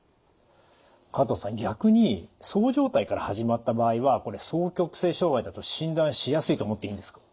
加藤さん逆にそう状態から始まった場合は双極性障害と診断しやすいと思っていいんですか？